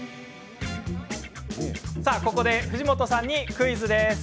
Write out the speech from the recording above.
ここで藤本さんにクイズです。